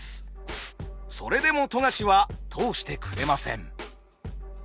それでも富樫は通してくれません。